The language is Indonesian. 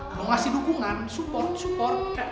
kalau ngasih dukungan support support